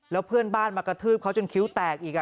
แล้วเพื่อนบ้านมากระทืบเขาจนคิ้วแตกอีก